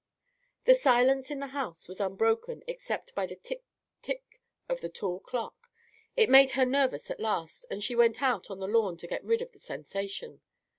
The silence in the house was unbroken except by the tick tick of the tall clock. It made her nervous at last, and she went out on the lawn to get rid of the sensation.